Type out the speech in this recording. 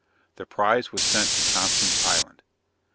The prize was sent to Thompson's Island."